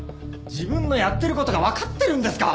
自分のやってる事がわかってるんですか！？